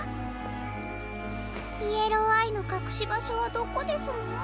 イエローアイのかくしばしょはどこですの？